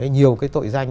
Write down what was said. nhiều cái tội danh